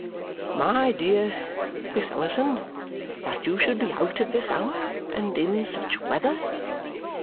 "My dear Miss Summerson, that you should be out at this hour, and in such weather!"